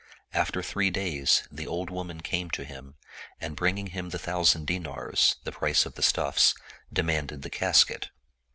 After three days, the old woman came to him and bringing him the thou sand dinars, the price of the stuffs, demanded the casket.